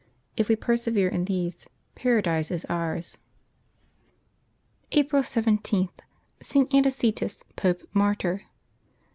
If we per severe in these. Paradise is ours. April 17.— ST. ANICETUS, Pope, Martyr.